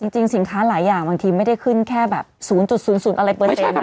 สินค้าหลายอย่างบางทีไม่ได้ขึ้นแค่แบบ๐๐อะไรเปอร์เซ็นต์